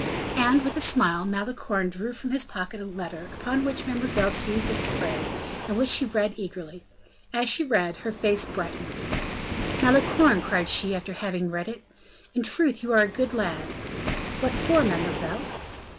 And, with a smile, Malicorne drew from his pocket a letter, upon which mademoiselle seized as a prey, and which she read eagerly. As she read, her face brightened. "Malicorne," cried she after having read it, "In truth, you are a good lad." "What for, mademoiselle?"